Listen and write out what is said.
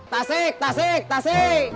tasik tasik tasik